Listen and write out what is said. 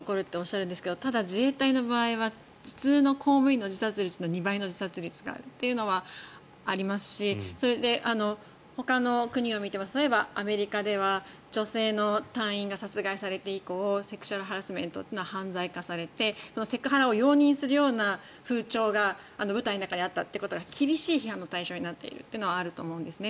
ただ、山下さんも通常の社会で起こり得ることは起こるとおっしゃるんですけどただ、自衛隊の場合は普通の公務員の自殺率の２倍の自殺率があるということはありますしほかの国を見ても例えばアメリカでは女性の隊員が殺害されて以降セクシュアルハラスメントは犯罪化されてセクハラを容認するような風潮が部隊の中にあったということが厳しい批判の対象になっているというのはあると思うんですね。